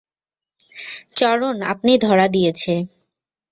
চরণ আপনি ধরা দিয়েছে।